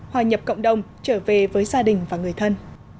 hòa nhập cộng đồng trở về với gia đình và người thân